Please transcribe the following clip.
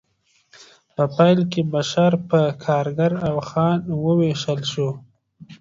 په پیل کې بشر په کارګر او خان وویشل شو